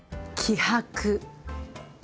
気迫？